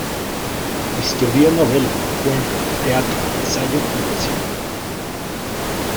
Escribió novela, cuento, teatro, ensayo y poesía.